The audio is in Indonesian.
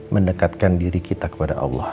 mendekatkan diri kita kepada allah